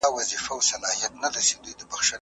زه به اوږده موده لوبه کړې وم؟!